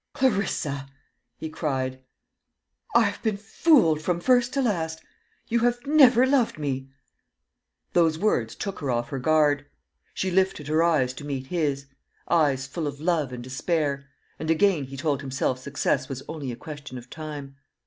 "Clarissa," he cried, "I have been fooled from first to last you have never loved me!" Those words took her off her guard; she lifted her eyes to meet his, eyes full of love and despair, and again he told himself success was only a question of time.